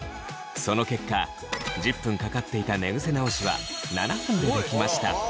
その結果１０分かかっていた寝ぐせ直しは７分でできました。